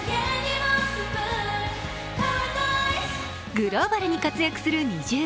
グローバルに活躍するＮｉｚｉＵ。